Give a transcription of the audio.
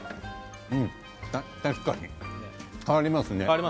確かに変わりますね。